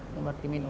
ini berarti minum